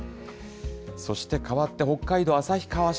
そしてかわって北海道旭川市。